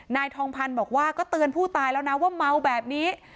นายทองพันธ์บอกว่าก็เตือนผู้ตายแล้วนะว่าเมาแบบนี้